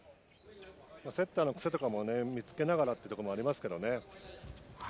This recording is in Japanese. セッターの癖とかも見つけながらというところがありますけどね。